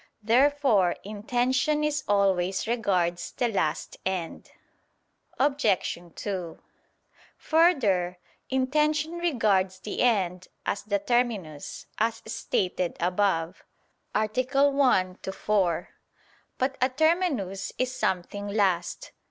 Therefore intention is always regards the last end. Obj. 2: Further, intention regards the end as the terminus, as stated above (A. 1, ad 4). But a terminus is something last.